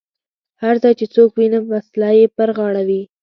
هر ځای چې څوک وینم وسله یې پر غاړه وي.